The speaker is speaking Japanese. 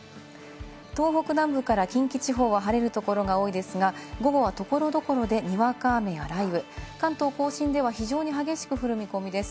東北南部から近畿地方は晴れるところが多いですが、午後は所々でにわか雨や雷雨、関東甲信では非常に激しく降る見込みです。